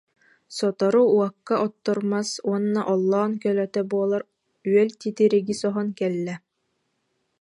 Сотору уокка оттор мас уонна оллоон көлөтө буолар үөл титириги соһон кэллэ